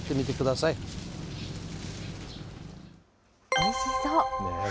おいしそう。